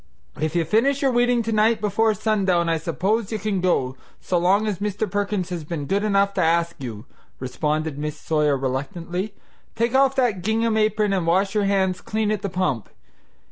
"If you finish your weeding tonight before sundown I s'pose you can go, so long as Mr. Perkins has been good enough to ask you," responded Miss Sawyer reluctantly. "Take off that gingham apron and wash your hands clean at the pump.